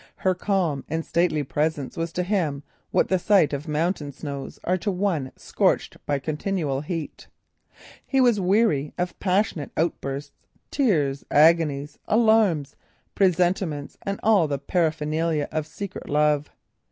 Her calm and stately presence was to him what the sight of mountain snows is to one scorched by continual heat. He was weary of passionate outbursts, tears, agonies, alarms, presentiments, and all the paraphernalia of secret love.